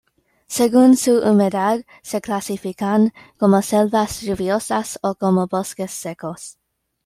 Según su humedad se clasifican como selvas lluviosas o como bosques secos.